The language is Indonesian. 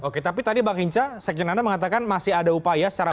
oke tapi tadi bang hinca sekjen anda mengatakan masih ada upaya secara